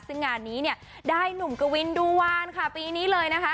ซึ่งงานนี้เนี่ยได้หนุ่มกวินดูวานค่ะปีนี้เลยนะคะ